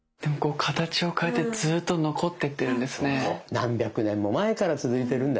何百年も前から続いてるんだよ。